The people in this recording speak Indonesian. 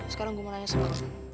sekarang gue mau nanya sama kamu